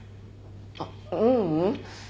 あっううん。